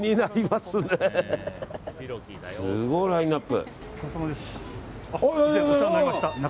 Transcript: すごいラインアップ。